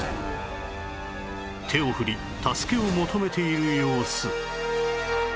手を振り助けを求めている様子